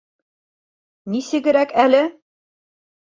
— Нисегерәк әле!